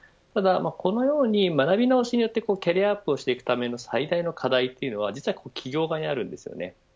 このように学び直しによってキャリアアップをしていくための最大の課題は企業側にあります。